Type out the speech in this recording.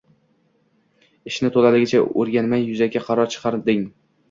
Ishini toʻlaligicha oʻrganmay yuzaki qaror chiqaradigan